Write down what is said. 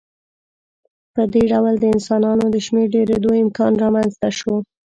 په دې ډول د انسانانو د شمېر ډېرېدو امکان رامنځته شو.